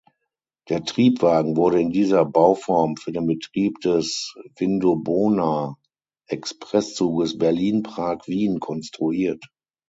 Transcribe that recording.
Der Triebwagen wurde in dieser Bauform für den Betrieb des „Vindobona“-Expresszuges Berlin–Prag–Wien konstruiert.